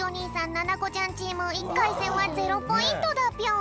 ななこちゃんチーム１かいせんはゼロポイントだぴょん。